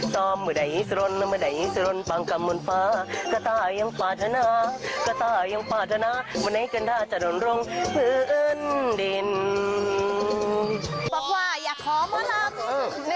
แต่ก็ยังปาดนะมันให้เกินท่าจะโดนร่งฮืออื้นดิน